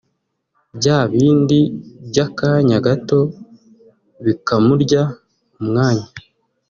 bya bindi by’akanya gato bikamurya umwanya